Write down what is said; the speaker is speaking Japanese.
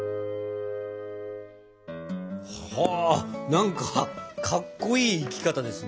何かかっこいい生き方ですね。